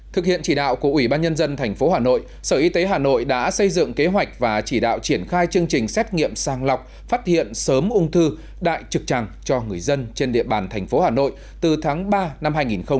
thực hiện chỉ đạo của ủy ban nhân dân tp hà nội sở y tế hà nội đã xây dựng kế hoạch và chỉ đạo triển khai chương trình xét nghiệm sàng lọc phát hiện sớm ung thư đại trực tràng cho người dân trên địa bàn thành phố hà nội từ tháng ba năm hai nghìn hai mươi